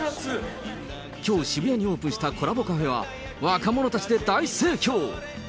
きょう渋谷にオープンしたコラボカフェは、若者たちで大盛況。